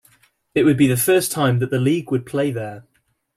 It would be the first time that the league would play there.